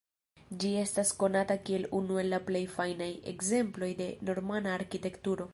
Ĝi estas konata kiel unu el la plej fajnaj ekzemploj de normana arkitekturo.